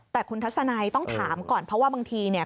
แต่คุณทัศนัยต้องถามก่อนเพราะว่าบางทีเนี่ย